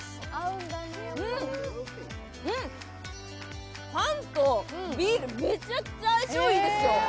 うん、うん、パンとビール、めちゃくちゃ相性いいですよ。